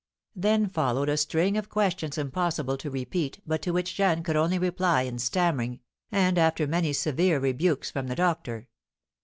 Then followed a string of questions impossible to repeat, but to which Jeanne could only reply in stammering, and after many severe rebukes from the doctor.